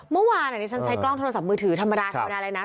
เมื่อวานนี้ฉันใช้กล้องโทรศัพท์มือถือธรรมดาธรรมดาอะไรนะ